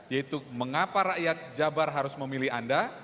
yaitu mengapa rakyat jabar harus memilih anda